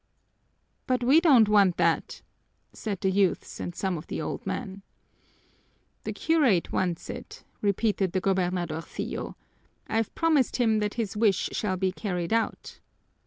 "But we don't want that," said the youths and some of the old men. "The curate wants it," repeated the gobernadorcillo. "I've promised him that his wish shall be carried out."